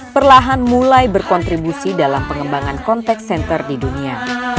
perlahan mulai berkontribusi dalam pengembangan contact center di dunia